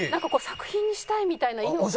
「作品にしたい」みたいな意欲を。